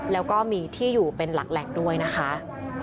แล้วก็มีที่อยู่เป็นหลักแหล่งด้วยนะคะ